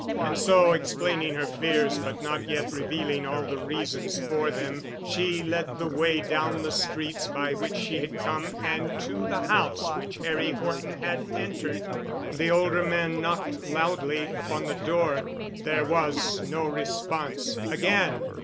And so, explaining her fears, but not yet revealing all the reasons for them, she led the way down the streets by which she had come and to the house which Harry Horton had entered. The older man knocked loudly upon the door. There was no response. Again.